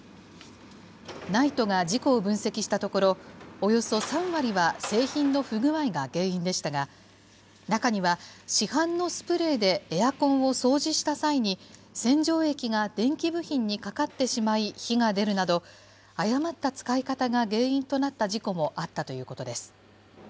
ＮＩＴＥが事故を分析したところ、およそ３割は製品の不具合が原因でしたが、中には、市販のスプレーで、エアコンを掃除した際に、洗浄液が電気部品にかかってしまい、火が出るなど、誤った使い方が原因となった事故もあったということです。